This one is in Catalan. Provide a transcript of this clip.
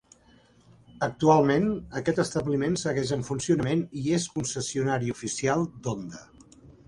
Actualment, aquest establiment segueix en funcionament i és concessionari oficial d'Honda.